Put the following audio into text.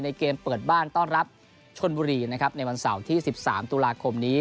เกมเปิดบ้านต้อนรับชนบุรีนะครับในวันเสาร์ที่๑๓ตุลาคมนี้